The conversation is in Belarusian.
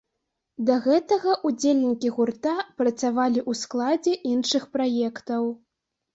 Да гэтага ўдзельнікі гурта працавалі ў складзе іншых праектаў.